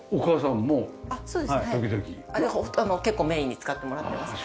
あの結構メインに使ってもらってます。